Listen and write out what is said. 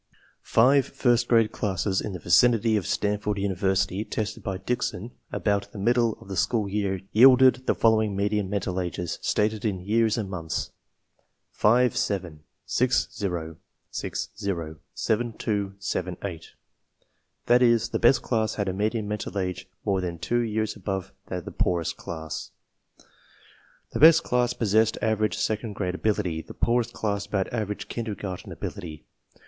Five first grade classes in the vicinity of Stanford University tested bJpDickson about the middle of the school year yielded the following median mental ages, stated in years and months: 5 7, 6 0, 6 0, 7 2, 7 8. That is, the best class had a median mental age more than two years above that of the poorest class. The best class possessed average second grade ability, the poor est class about average kindergarten ability.